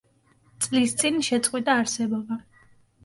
წლის წინ შეწყვიტა არსებობა.